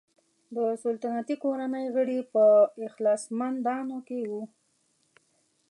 د سلطنتي کورنۍ غړي په اخلاصمندانو کې وو.